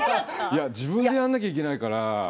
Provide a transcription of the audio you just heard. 自分でやんなきゃいけないから。